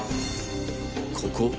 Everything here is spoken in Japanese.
ここ